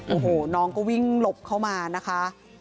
โอ้โหน้องก็วิ่งหลบเข้ามานะคะ